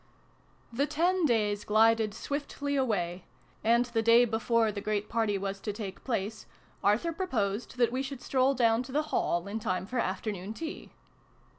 THE ten days glided swiftly away : and, the day before the great party was to take place, Arthur proposed that we should stroll down to the Hall, in time for afternoon tea.